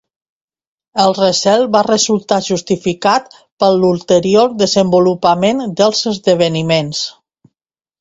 El recel va resultar justificat per l'ulterior desenvolupament dels esdeveniments.